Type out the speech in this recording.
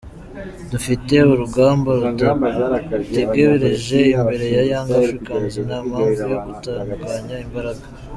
Dufite urugamba rudutegereje imbere ya Young Africans, nta mpamvu yo gutatanya imbaraga.